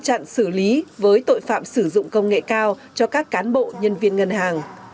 các ngân hàng đã phát hiện ngăn chặn xử lý với tội phạm sử dụng công nghệ cao cho các cán bộ nhân viên ngân hàng